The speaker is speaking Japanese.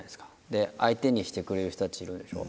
で相手にしてくれる人たちいるでしょ。